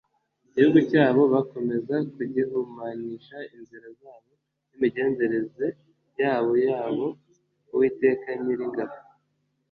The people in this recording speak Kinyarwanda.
igihugu cyabo bakomeza kugihumanyisha inzira zabo n'imigenzereze yabo yabo uwiteka nyiringabo